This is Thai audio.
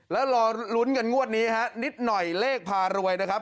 แล้วรอลุ้นกันงวดนี้ฮะนิดหน่อยเลขพารวยนะครับ